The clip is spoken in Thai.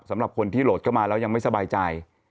สำหรับคนที่โหลดเข้ามาแล้วยังไม่สบายใจ